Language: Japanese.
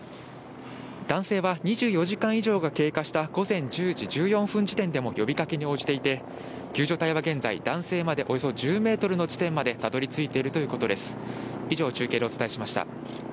男性は２４時間以上が経過した時点でも呼びかけに応じていて、救助隊は現在、男性まで１０ｍほどのところまでたどり着いているということです。